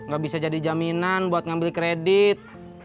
gak bisa jadi jaminan buat ngambil kredit